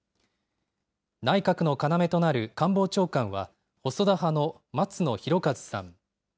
内閣の要となる官房長官は細田派の松野博一さん。